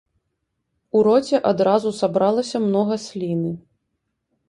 У роце адразу сабралася многа сліны.